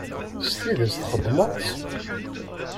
S tidet txedmeḍ-tt?